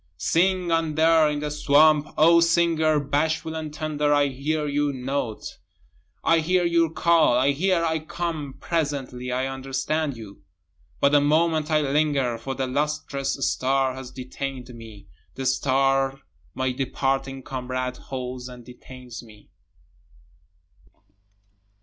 9 Sing on there in the swamp, O singer bashful and tender, I hear your notes, I hear your call, I hear, I come presently, I understand you, But a moment I linger, for the lustrous star has detain'd me, The star my departing comrade holds and detains me.